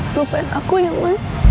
lupain aku ya mas